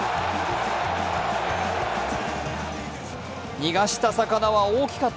逃した魚は大きかった。